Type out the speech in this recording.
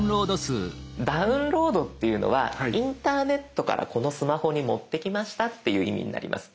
ダウンロードっていうのはインターネットからこのスマホに持ってきましたっていう意味になります。